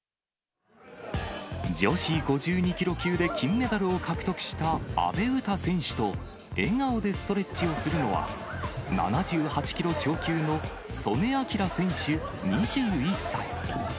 女子５２キロ級で金メダルを獲得した阿部詩選手と、笑顔でストレッチをするのは、７８キロ超級の素根輝選手２１歳。